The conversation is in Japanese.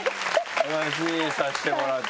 話させてもらって。